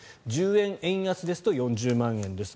１０円円安ですと４０万円です。